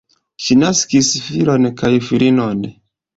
Ŝi naskis filon kaj filinon.